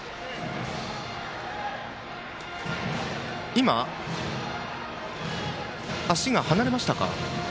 今、足が離れましたか。